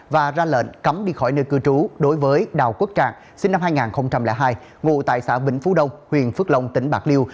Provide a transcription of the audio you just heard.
và ra lệnh cấm đi khỏi nơi cư trú đối với đào quốc trạng sinh năm hai nghìn hai ngụ tại xã bình phú đông huyện phước long tỉnh bạc liêu